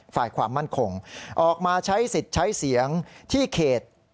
ฝ่ายความมั่นคงออกมาใช้สิทธิ์ใช้เสียงที่เขต